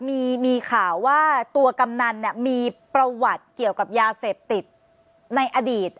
มีข่าวว่าตัวกำนันมีประวัติเกี่ยวกับยาเสพติดในอดีต